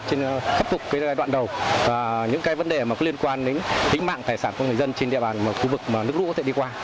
trên khắc phục cái giai đoạn đầu và những cái vấn đề liên quan đến tính mạng tài sản của người dân trên địa bàn khu vực mà nước lũ có thể đi qua